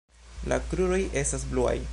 La kruroj estas bluaj.